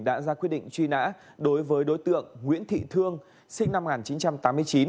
đã ra quyết định truy nã đối với đối tượng nguyễn thị thương sinh năm một nghìn chín trăm tám mươi chín